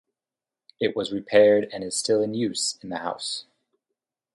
It was repaired and is still in use in the house.